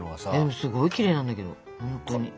すごいきれいなんだけど本当に。